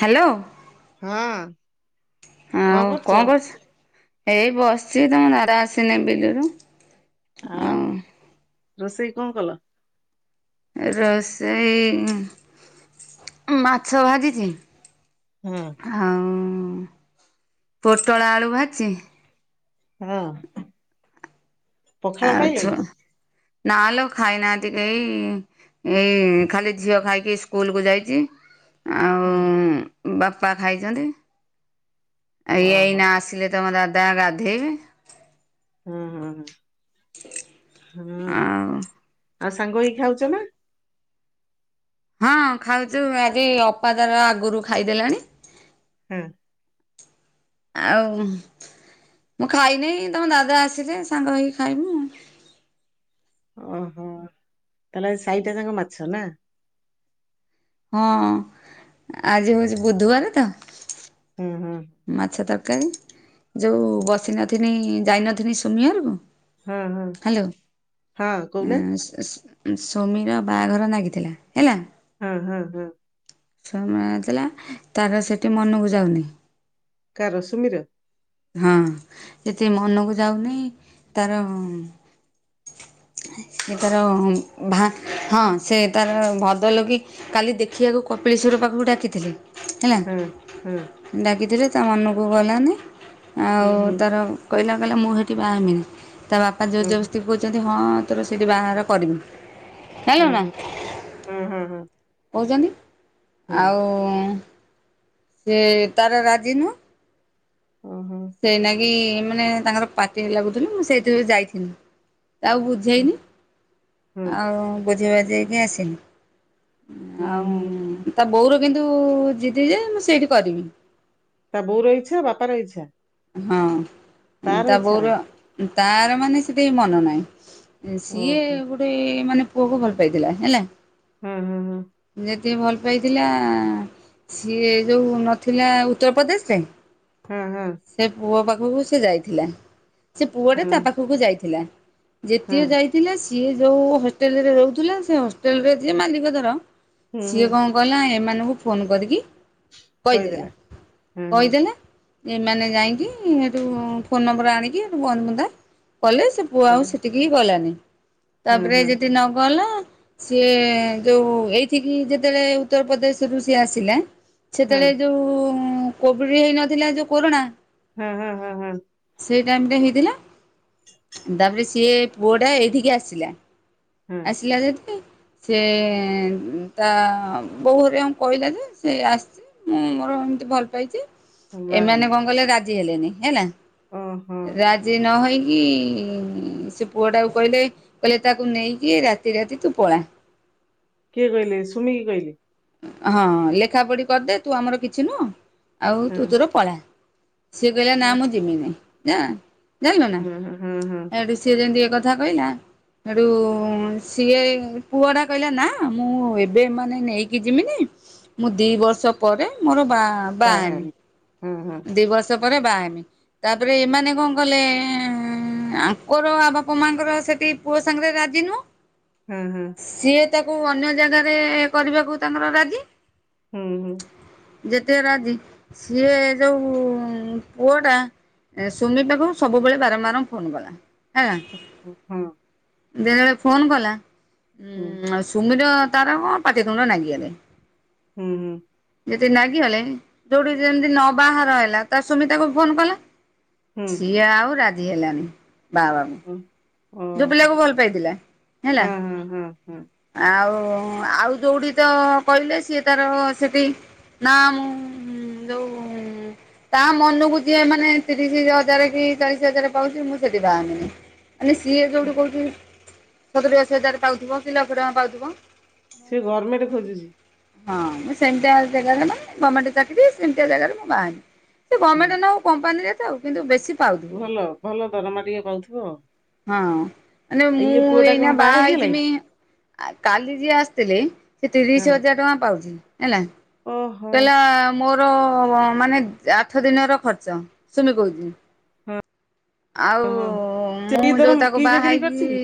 Hello. ହଁ ଆଉ କଣ କରୁଛୁ? ଏଇ ବସି ସିଏ ତାଙ୍କର ନାରା ଆସିନେଇଁ ବିଲରୁ ଆଉ ରୋଷେଇ କଣ କଲ? ରୋଷେଇ ମାଛ ଭାଜିିଛି ହୁଁ। ହୁଁ ପୋଟଳ ଆଳୁ ଭାଜିଛି ହଁ ପଖାଳ ଖାଇଲଇ? ନାଁ ଲୋ ଖାଇନାହାଁନ୍ତି କେହି ଏଇ ଖାଲି ଝିଅ ଖାଇକି ସ୍କୁଲକୁ ଯାଇଚି ହୁଁ। ବାପା ଖାଇଛନ୍ତି, ଆ ଇଏ ଓହୋ ଏଇନା ଆସିଲେ ତମ ଦାଦା ଗାଧେଇବେ ହୁଁ ହୁଁ ହୁଁ। ହୁଁ। ଆଉ ସାଙ୍ଗ ହେଇ ଖାଉଛ ନା? ହଁ ଖାଉଛୁ ଆଗି ଅପା ତାର ଆଗରୁ ଖାଇଦେଲାଣି ହୁଁ। ଆଉ ମୁଁ ଖାଇନେଇଁ ତମ ଦାଦା ଆସିଲେ ସାଙ୍ଗ ହେଇକି ଖାଇବୁ ଆଉ। ଓହୋ। ତାହେଲେ ଆଜି ସାଇଟା ଯାକ ମାଛ ନା? ହଁ ଆଜି ହଉଛି ବୁଧୁବାର ତ ହୁଁ ହୁଁ। କାଇଁ ଯୋଉ ବସିନଥିନି ଯାଇନଥିନି ସୁମି ଘରକୁ ହଁ ହଁ ହ୍ୟାଲୋ, ହଁ କହୁନା ହୁଁ ସେ-ସେ ସୋମିର ବାହାଘର ନାଗିଥିଲା ହେଲା ହଁ ହଁ ହଁ। ସ୍ୱାମୀ ଆଇଥିଲା, ତାର ସେଠି ମନକୁ ଯାଉନେଇ କାର ସୁମିର? ହଁ ଯେତେ ମନକୁ ଯାଉନେଇ ତାର [inaudible] ସେ ତାର ଭା ହଁ ସେ ତାର ଭଦରଲୋକିି କାଲି ଦେଖିବାକୁ କପିଳିଶ୍ୱର ଘର ପାଖକୁ ଡାକିଥିଲି ହେଲା, ହଁ ହଁ ଡାକିଥିଲି ତା ମନକୁ ଗଲାନି ହୁଁ ଆଉ ହୁଁ ତାର କହିଲା କହିଲା ମୁଁ ସେଠି ବା ହେମିନି, ତା ବାପା ଜୋର ହୁଁ ଜବରସ୍ତି କହୁଛନ୍ତି ହଁ ତୋର ସେଇଠି ବାହାଘର କରିମି। ହୁଁ-ହୁଁ-ହୁଁ-ହୁଁ ହଁ। କହୁଛନ୍ତି ହଁ ଆଉ ସେ ତାର ରାଜି ନୁହଁ ଓହୋ ସେଇନାଗି ମାନେ ତାଙ୍କର ପାଟି ଲାଗୁଥିଲୁ, ମୁଁ ସେଇଥିପାଇଁ ଯାଇଥିଲି। ତାକୁ ହଁ ବୁଝେଇନି ହୁଁ ଆଉ ବୁଝେଇ ବାଝେଇକି ହୁଁ ଆସିନି। ହୁଁ ଆଉ ତା ବୋଉର କିନ୍ତୁ ଜିଦି ଯେ ମୁଁ ସେଇଠି କରିବି। ତା ବୋଉର ଇଚ୍ଛା, ବାପାର ଇଚ୍ଛା ହଁ ତାର ତା ଇଚ୍ଛା ନାହିଁ ବୋଉର ତାର ମାନେ ସେତେ ମନେ ନାହିଁ। ସିଏ ଓହୋ ଗୋଟେ ମାନେ ପୁଅକୁ ଭଲ ପାଇଥିଲା ହେଲା। ହଁ ହଁ ହଁ। ତେ ଭଲ ପାଇଥିଲା ସିଏ ଯୋଉ ନଥିଲା ଉତ୍ତରପ୍ରଦେଶରେ। ହଁ ହଁ ସେ ପୁଅ ପାଖକୁ ସେ ଯାଇଥିଲା ସେ ହଁ ପୁଅଟା ତା ପାଖକୁ ଯାଇଥିଲା। ହଁ ଯେତିିକ ଯାଇଥିଲେ ସିଏ ଯୋଉ ହଷ୍ଟେଲରେ ରହୁଥିଲା ସେ ହଷ୍ଟେଲ ରେ ଯିଏ ମାଲିକ ଧର। ହୁଁ ହୁଁ ସିଏ କଣ କଲା ଏମାନଙ୍କୁ ଫୋନ କରିକି କହିଦେଲା ହଁ ହଁ କହିଦେଲେ। ଏମାନେ ଯାଇକି ହେଠୁ ଫୋନ ନମ୍ବର ଆଣିକି ସେଠୁ ବନ୍ଦ ବୁନ୍ଦା କଲେ ସେ ପୁଅ ଆଉ କହିଲେ ସେଠିକି ହି ଗଲାନି ହଁ ତାପରେ ହଁ ଯେଠି ନଗଲା ସିଏ ଯୋଉ ଏଇଠିକିି ଯେତେବେଳେ ଉତ୍ତରପଦେଶରୁ ସିଏ ଆସିଲା ହଁ ସେତେବେଳେ ଯୋଉ କୋଭିଡ ହେଇନଥିଲା ଯୋଉ କୋରୋନା ହଁ ହଁ ହଁ ହଁ। ସେଇ ଟାଇମ ରେ ହେଇଥିଲା ତାପରେ ସିଏ ପୁଅଟା ଏଇଠିକି ଆସିଲା। ହଁ ଆସିଲା ଯେଦି ସେ ତା ବୋଉ ହେରିଆ କହିଲା ଯେ ସେ ଆସିଛି ମୁଁ ମୋର ଅ ଏମିତି ଭଲ ପାଇଛି। ବାହା ଏମାନେ ହେମି କଣ କଲେ ରାଜି ହେଲେନି ହେଲା ଓହୋ ରାଜି ନହେଇକି କି ସେ ପୁଅ ଟାକୁ କହିଲେ କହିଲେ ତାକୁ ନେଇକି ରାତି ରାତି ତୁ ପଳା। କିଏ କହିଲେ ସୁମି କି କହିଲେ? ହଁ ଲେଖା ପଢି କରିଦେ ତୁ ଆମର କିଛି ନୁହଁ ଆଉ ହଁ ତୁ ତୋର ପଳା। ସିଏ କହିଲା ନା ହଁ ମୁଁ ଯିମିିନି ଯା ଜାଣିଲ ନା ହଁ ହଁ ହଁ ଏଠୁ ସିଏ ଯେମିତି କଥା କହିଲା। ହେଠୁ ସିଏ ପୁଅ ଟା କହିଲା ନା ମୁଁ ଏବେ ମାନେ ନେଇ କିଜିମିନି ମୁଁ ଦି ବର୍ଷ ପରେ ମୋର ବା ବାହା ହେବି। ହଁ ହଁ ଦି ବର୍ଷ ପରେ ବାହା ହେମି ତାପରେ ଏମାନେ କଣ କଲେ ଏଁ ହ ଆଙ୍କର ଆ ବାପା ମାଙ୍କର ସେଠି ପୁଅ ସାଙ୍ଗରେ ରାଜି ନୁହଁ। ହଁ ହଁ। ସିଏ ତାକୁ ଅନ୍ୟ ଜାଗାରେ କରିବାକୁ ତାଙ୍କର ରାଜି। ହୁଁ ହୁଁ। ଯେତେ ରାଜି ସିଏ ଯୋଉ ପୁଅ ଟା ସୁମିପାକୁ ସବୁବେଳେ ବାରମ୍ବାର ଫୋନ କଲା। ହେଲା ଓହୋ ହଁ। ଯେତେବେଳେ ଫୋନ କଲା ହୁଁ ଉ ସୁମିର ତାର କଣ ପାଟି ତୁଣ୍ଡ ନାଗି ଗଲେ। ହୁଁ ହୁଁ। ଯଦି ନାଗିଗଲେ ଯୋଉଠି ଯେମତି ନ ବାହାର ହେଲା ତା ସୁମିତାକୁ ଫୋନ କଲା। ହୁଁ ସିଏ ଆଉ ରାଜି ହେଲାନି ବାହା ହେବାକୁ। ହୁଁ ଯୋଉ ଓହୋ ପିଲାକୁ ଭଲ ପାଇଥିଲା ହେଲା ହଁ ହଁ ହଁ ହଁ ଆଉ। ହ ଆଉ ଯୋଉଠି ତ କହିଲେ ସିଏ ତାର ସେଠି ନା ମୁଁ ହୁଁ ଯୋଉ ତା ମନକୁ ଯିଏ ମାନେ ତିରିଶ ହଜାର କି ଚାଳିଶ ହଜାର ପାଉଛି ମୁଁ ସେଠି ବାହା ହେବିନି ମାନେ ସିଏ ଯୋଉଠି କହୁଛି ସତୁରି ଅଶୀ ହଜାର ପାଉଥିବ କି ଲକ୍ଷ ଟଙ୍କା ପାଉଥିବ। ସେ ଗରମେଣ୍ଟ ଖୋଜୁଛି? ହଁ ମୁଁ ସେମିତିଆ ଜାଗାରେ ମାନେ ଗମେଣ୍ଟ ଚାକିରି ସେମତିଆ ଜାଗରେ ମୁଁ ବାହାହେମି। ସେ ହଁ ଗମେଣ୍ଟ ନହଉ କମ୍ପାନୀରେ ଥାଉ କିନ୍ତୁ ବେଶୀ ପାଉଥିବ ଭଲ ଭଲ ଦରମା ଟିକେ ପାଉଥିବ। ହଁ ମାନେ ମୁଁ ଇଏ ପୁଅ ଟା କଣ ଏଇନା ବାହା ହେଇଗଲା କି ହେଇଜିମି କାଲି ଯିଏ ଆସିଥିଲେ। ସେ ତିରିଶ ହଁ ହଜାର ଟଙ୍କା ପାଉଛି ହେଲା ଓହୋ କହିଲା ମୋର ମାନେ ଆଠ ଦିନର ଖର୍ଚ୍ଚ ସୁମି କହୁଛି। ଆଉ ହଁ ସେ ମୁଁ କି ଦର ଯୋଉ ତାକୁ କି ବାହା ଚାକିରି କରିଛି ହେଇକି କି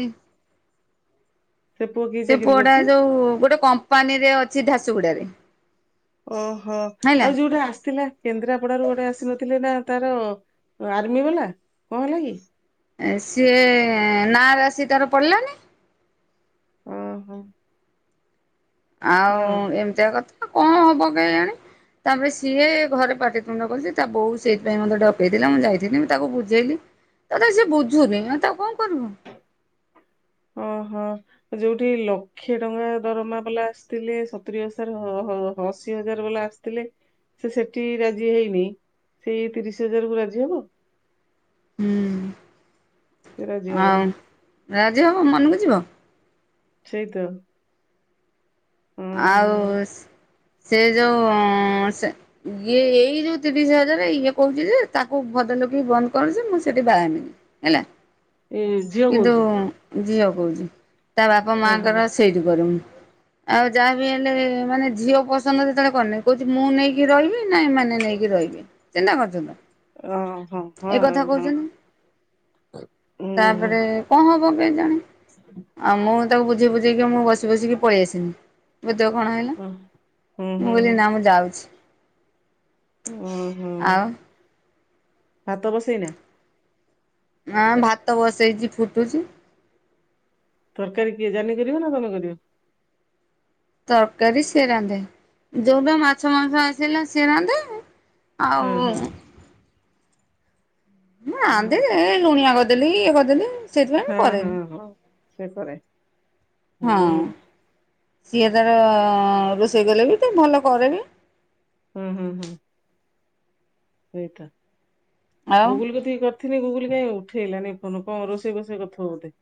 ସେ ପୁଅ କି ସେ ଚାକିରି ପୋଟା କରିଛି? ଯୋଉ ଗୋଟେ କମ୍ପାନୀ ରେ ଅଛି ଝାସୁଗୁଡା ରେ। ଓହୋ ଆଉ ଯୋଉଟା ଆସିଥିଲା କେନ୍ଦ୍ରାପଡାରୁ ଗୋଟେ ଆସିନଥିଲେ ନା ତାର ଆର୍ମି ବାଲା କଣ ହେଲା କି? ସିଏ ନା ରାଶି ତାର ପଡିଲାନି। ଓ ହୋ। ଆଉ ଏମିତିଆ କଥା କଣ ହବ କେଯାଣି। ତାପରେ ସିଏ ଘରେ ପାଟିତୁଣ୍ଡ କରିଛି, ତା ବୋଉ ସେଇଥିପାଇଁ ମୋତେ ଡକେଇଥିଲା ମୁଁ ଯାଇଥିଲି ମୁଁ ତାକୁ ବୁଝେଇଲି ତା ଥାଏ ସେ ବୁଝୁନି ତକୁ ଓ ହୋ। ଯୋଉଠି ଲକ୍ଷେ ଟଙ୍କା ଦରମା ବାଲା ଆସିଥିଲେ, ସତୁରି ହଜାର ଅଶି ହଜାର ବାଲା ଆସିଥିଲେ। ସେ ସେଠି ରାଜି ହେଇନି ସେଇ ତିରିଶ ହଜାର କ ରାଜି ହବ। ହୁଁ ସେ ରାଜି ହବନି ଆଉ ରାଜି ହବ ମନକୁ ଯିବ। ସେଇ ତ ଆଉ। ଓହୋ। ସେ ଯୋଉ ଇଏ ଏଇ ଯୋଉ ତିରିଶ ହଜାର ଇଏ କହୁଛି ଯେ ତାକୁ ବନ୍ଦ କରୁଛି ମୁଁ ସେଠି ବାହାନି ହେଲା ଏଇ ଝିଅ କିନ୍ତୁ କହୁଛି ଝିଅ କହୁଛି ତା ବାପା ହଁ ମାଙ୍କର ସେଇଠି କରେ ମୁଁ ଆଉ ଯାହା ବିି ହେଲେ ମାନେ ଝିଅ ପସନ୍ଦ ଯେତେବେଳେ କରିନି କହୁଛି, ମୁଁ ନେଇକି ରହିବି ନା ଏମାନେ ନେଇକି ରହିବେ। କେନ୍ନା କରୁଛୁଲ। ଓ ହୋ ହ ହଁ। ତାପରେ ହୁଁ କଣ ହବ କେ ଜାଣେ ଆଉ ମୁଁ ତାକୁ ବୁଝେଇ ବୁଝେଇକି ମୁଁ ବସି ବସିକି ପେଇ ଆସିନି। ତ କଣ କହିଲ ହୁଁ ହୁଁ ହୁଁ ମୁଁ ବୋଲି ନା ମୁଁ ଯାଉଛି ଓ ହୋ। ଆଉ ଭାତ ବସେଇନା ହଁ ଭାତ ବସେଇଛି ଫୁଟୁଛି। ତରକାରୀ କିଏ ଜାନି କରିବ ନା ତମେ କରିବ? ତରକାରୀ ସେ ରାନ୍ଧେ ଯୋଉ ବି ମାଛ ମାଂସ ଆସିଲା ସେ ରାନ୍ଧେ ହଁ ଆଉ। ହଁ ମୁଁ ଆଧେ ହଁ ସେ ଲୁଣିଆ କରିଦେଲି ଇଏ କରିଦେଲି ସେଥି ପାଇଁ ମୁଁ ହଁ ହଁ କରେନି ହଁ ସେ କରେ ହୁଁ ହଁ। ସିଏ ତାର ରୋଷେଇ କଲେ ବି ତ ଭଲ କରେ ବିି ହୁଁ ହୁଁ ହୁଁ। ସେଇଟା ଆଉ ଗୁଗୁଲକୁ କରିଥିନି ଗୁଗୁଲ କାହିଁଉ ଉଠେଇଲାନି ଫନ କଣ ରୋଷେଇ ଫୋଷେଇ କରୁଥିବ ବୋଧେ?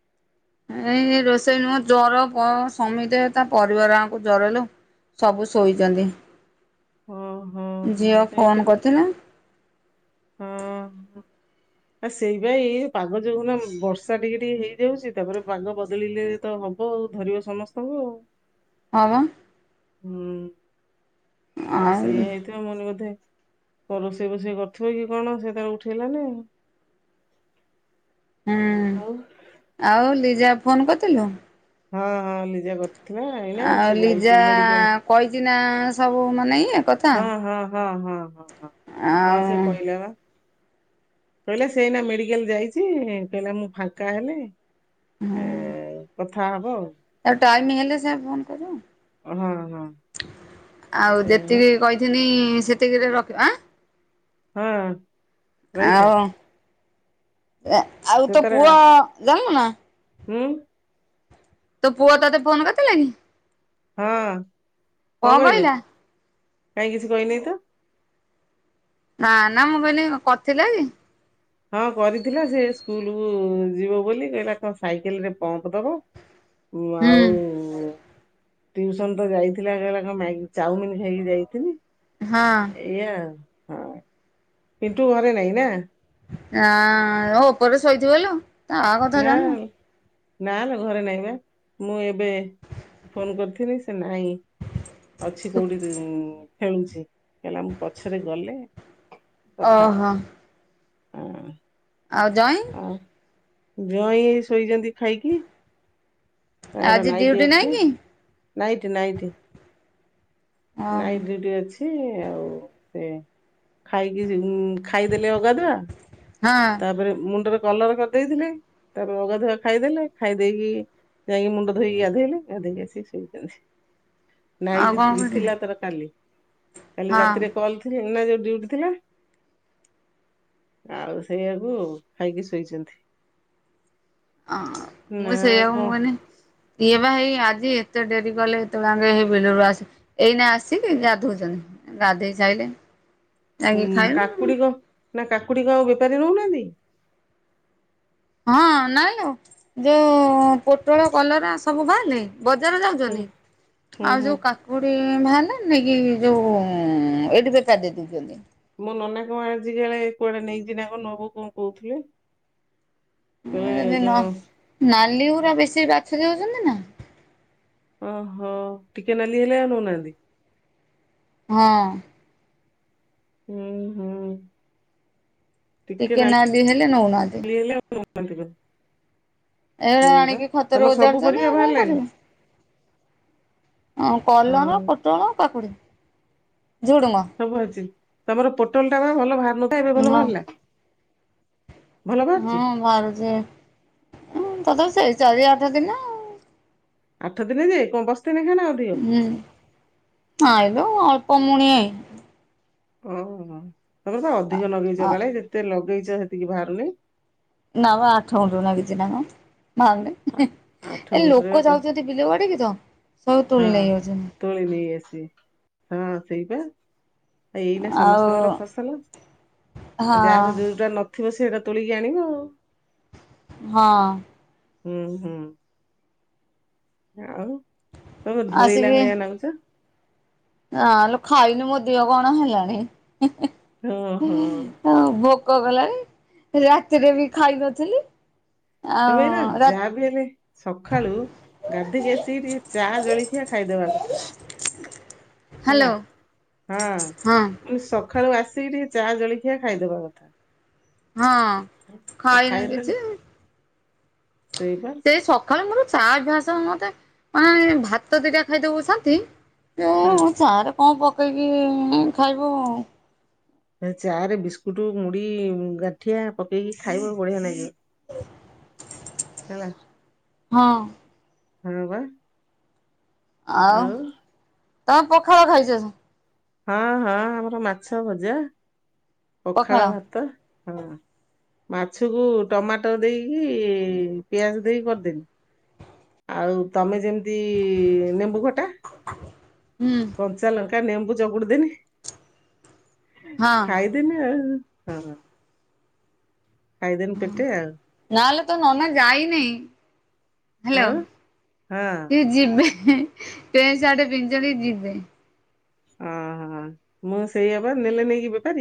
ଏଇ ରୋଷେଇ ନୁହଁ ଜର ସମିତି ତା ପରିବାର ଆମକୁ ଜରଲୋ ସବୁ ଶୋଇଛନ୍ତି, ଓହୋ ଝିଅ ଏଇତ ଫୋନ୍ କରିଥିଲେ। ହଁ। ଆ ସେଇପାଇ ପାଗ ଯୋଉ ନା ବର୍ଷା ଟିକେ ଟିକେ ହେଇଯାଉଛି, ତାପରେ ପାଗ ବଦଳିଲେ ତ ହବ ଧରିବ ସମସ୍ତଙ୍କୁ ଆଉ। ହ ମ। ହୁଁ ଆଉ ସେଇ ହେଇଥିବ ମନେ ବୋଧେ? କଣ ରୋଷେଇ ଫୋଷେଇ କରୁଥିବ କି କଣ ସେ ତେବେ ଉଠେଇଲାନି ଆ ହୁଁ ଆଉ ଲିଜା ଫୋନ କରିଥିଲୁ? ହଁ ହଁ ଲିଜା କରିଥିଲା। ଏଇନା ଆଉ ସେ ଯାଇଛି ଲିଜା ମେଡିକାଲ କହିଛି ନା ସବୁ ମାନେ ଇଏ କଥା ହଁ ହଁ ହଁ ହଁ ହଁ ହଁ ହଁ ଆଉ ସେ କହିଲା ପା। କହିଲା ସେଇନା ମେଡିକାଲ ଯାଇଛି କହିଲା ମୁଁ ଫାଙ୍କା ହେଲେ ହଁ। ଏ କଥା ହବ ଆଉ ଆଉ ଟାଇମ ହେଲେ ସେ ଫୋନ ଆଉ ହଁ ହଁ କରିବ। ଆଉ ସେଇଆ ବା ଯେତିକି କହିଥିଲି ସେତିକିରେ ରଖିବ ଆଁ? ହଁ ରଇଥା। ଆଉ ଆଉ ତୋ ପୁଅ ଜାଣିଲୁନା? ଉଁ? ତୋ ପୁଅ ତୋତେ ଫୋନ କରିଥିଲା କି? ହଁ। କଣ କହିଲା? କାଇଁ କିଛି କହିନି ତ। ନା ନା ମୁଁ କହିଲି କରିଥିଲା କି? ହଁ କରିଥିଲା ସେ ସ୍କୁଲ କୁ ଯିବ ବୋଲି କହିଲା କଣ ସାଇକେଲ ରେ ପମ୍ପ ଦବ। ହଁ ହୁଁ ଆଉ ଟ୍ୟୁସନ ତ ଯାଇଥିଲା କହିଲା କଣ ମ୍ୟାଗି ଚାଉମିିନ ଖାଇକି ଯାଇଥିଲି। ହଁ ଏଇଆ ହଁ ପିଣ୍ଟୁ ଘରେ ନାଇଁ ନା? ଆଁ ଉପରେ ଶୋଇଥିବଲ ତା ଆ କଥା ନା ଜାଣିନୁ। ନା ଲୋ ଘରେ ନାଇଁବା ମୁଁ ଏବେ ଫୋନ କରିଥିଲି ସେ ନା ନାଇଁ ଅଛି କୋଉଠି? ଖେଳୁଛି ହେଲା ମୁଁ ପଛରେ ଗଲେ ଓହୋ। ହୁଁ। ଆଉ ଜଇଁ? ଜ୍ୟଇ ଶୋଇଛନ୍ତି ଖାଇକି। ତାଙ୍କର ଆଜି ନାଇଟି ଡ୍ୟୁଟି ନାଇଁ ଅଛି କି? Night night? ନାଇ ଓହୋ ଦିଉଟି ଅଛି ଆଉ ସେ ଖାଇକି ଖାଇଦେଲେ ଅଗାନ୍ଧୁଆ ହଁ ତାପରେ ମୁଣ୍ଡରେ କଲର କରିଦେଇଥିଲେ ତାପରେ ଅଗାଧୁଆ ଖାଇଦେଲେ ଖାଇ ଦେଇକି ଯାଇକି ମୁଣ୍ଡ ଧୋଇକି ଗାଧୋଇଲେ ଗାଧେଇକି ଆସି ଶୋଇଛନ୍ତି। ଆଉ ନାଇଁ କଣ ଟି କହୁଛି ଥିଲା ତାର କାଲି। କାଲି ହଁ ରାତିରେ କଲ ଥିଲ ନା ଡିୟୁଟି ଥିଲା ଆଉ ସେଇଆକୁ ଖାଇକି ଶୋଇଛନ୍ତି। ହଁ ନା ମୁଁ ସେଇଆକୁ ମୁଁ କଣ କହିଲି ଇଏ ବା ହେଇ ଆଜି ଏତେ ଡେରି କଲେ ଏତେବେଳେ ହେଇ ବିଲରୁ ଆସି ଏଇନା ଆସିକି ଗାଧଉଛନ୍ତି। ଗାଧେଇ ସାଈଲେଣି? କାକୁଡିି କ ନା କାକୁଡିିକ ଆଉ ବେପାରି ନଉ ନାହାନ୍ତି? ହଁ ନା ଲୋ ଯଉଁ ପୋଟଳ କଲରା ସବୁ ବାହାରିଲା? ବଜାର ହୁଁ ଯାଉଛନ୍ତି ହୁଁ ଆଉ ହୁଁ ଯୋଉ କାକୁଡି? ଭଲ ନାଇଁ କି ଯୋଉ ଏଠି ବେକାରାର ଦେଇ ଦଉଛନ୍ତି। ମୋ ନନା କଣ ଆଜିିକାଳେ କୁଆଡେ ନେଇଛିି ନା କ ନବ କଣ କହୁଥିଲେ। ସେ ଜଉ ଲାଲି ଗୁରା ବେଶୀ ବାଛି ଦେଉଛନ୍ତି ନା? ଓହୋ ଟିକେ ନାଲି ହେଲେ ଆଉ ନଉନାହାନ୍ତି। ହଁ। ଉଁ ହୁଁ। ଟିକେ ନାଲି ହେଲେ ନଉ ନାହାନ୍ତି। ନାଲି [unintelligible] ଏରା ସେଇଆ ବା। ଆଣିକି ଖତରେ ତମର ସବୁ ଓଜାଡୁଛନ୍ତି ପରିବା ଆଉ କଣ ବାହାରିଲାଣି? କରିବୁ। ଆଉ କଲରା, ହଁ ପୋଟଳ, କାକୁଡି। ଝୁଡୁଙ୍ଗ। ସବୁ ଅଛି। ତମର ପୋଟଳ ଟା ବା ଭଲ ବାହାରୁ ନଥିଲା ଏବେ ହଁ ଭଲ ବାହାରିଲା। ଭଲ ହଁ ବାହାରିଛି? ବାହାରୁଚି। ତଥାବି ସେଇ ଚାରି ଆଠ ଦିନେ ଆଉ। ଆଠ ଦିନେ ଯେ କଣ ବସ ହୁଁ ଆଇଲୁ ଅଳ୍ପ ମୁଣିି ଓହୋ। ତମର ତ ଅଧିକ ଲଗେଇଛ କାଳେ ଯେତେ ଲଗେଇଚ ସେତିକି ବାହାରୁନି। ନାବବା ଆଠ ଗୁଣ୍ଠୁ ଲାଗିଛି ନା କଣ ଆ- ବାହାରୁନି। ଆଠ ଏ ଗୁଣ୍ଠରେ ଲୋକ ବା ଯାଉଛନ୍ତି ବିଲ ବାଡି କୁ ତ ସବୁ ହଁ ତୋଳି ନେଇ ଯାଉଛନ୍ତି। ତୋଳି ନେଇ ଆସିବେ। ହଁ ସେଇ ପା। ଏଇନା ଆଉ ସମସ୍ତଙ୍କର ଫସଲ। ହଁ ଯାହାର ଯୋଉଟା ନ ଥିବ ସେ ସେଇଟା ତୋଳିିକି ଆଣିବ। ହଁ। ଉଁ ହୁଁ ଆଉ ତମେ ଢୋଳେଇଲା ଭଳିଆ ନାଗୁଚ। ନା ଲୋ ଖାଇନି ମୋ ଦିହ କଣ ହେଲାଣି। ଓ ହୋ। ଭୋକ କଲାଣି। ରାତିରେ ବି ଖାଇ ନଥିଲି। ତମେ ଏଇନା ଆଉ ରା ଯା ବି ହେଲେ ସକାଳୁ ଗାଧେଇକି ଆସିକି ଟିକେ ଚା ଜଳଖିଆ ଖାଇଦବା କଥା। ହ୍ୟାଲୋ। ହେଲା ହଁ ମୁଁ ହଁ କହିଲି ସକାଳୁ ଆସିକି ଟିକେ ଚା ଜଳଖିଆ ଖାଇଦବା କଥା। ହଁ ଖାଇନି ଖାଇଦେଲେ କିଛି। ସେଇବା ସେ ସକାଳେ ମୋର ଚା ଅଭ୍ୟାସ ମତେ ମାନେ ଭାତ ଦିଟା ଖାଇଦବୁ ଶାନ୍ତି। ହଁ। ଚା ରେ କଣ ପକେଇକି ଖାଇବ। ଚା ରେ ବିସ୍କୁଟ, ମୁଢି, ଗାଣ୍ଠିଆ, ପକେଇକି ଖାଇବ ବଢିଆ ଲାଗେ। [inaudible] ହେଲା। ହଁ। [unintelligible] ଆଉ ତମେ ପଖାଳ ଖାଇଚ? ହଁ ହଁ ଆମର ମାଛ ଭଜା ପଖାଳ ଭାତ। ହଁ। ମାଛକୁ ଟମାଟର ଦେଇକି ପିଆଜ ଦେଇକି କରିଦେଲିି। ଆଉ ତମେ ଯେମିତି ନେମ୍ବୁ ଖଟା ହୁଁ କଞ୍ଚା ଲ ନେମ୍ବୁ ଚକୁତିଦେନି ହଁ ଖାଇଦେନି ଆଉ। ହଁ ହଁ। ଖାଇଦେନି ପେଟେ ଆଉ। ନହେଲେ ତୋ ନନା ଯାଇନେଇ। ହ୍ୟାଲୋ, ଆଉ ସେ ହଁ ଯିବେ ପେଣ୍ଟ ସାର୍ଟ ପିନ୍ଧିଛନ୍ତି ଯିବେ। ଅହୋ ମୁଁ ସେଇଆ ବା ନେଲେ ନେହିଁକି ବେପାରୀ?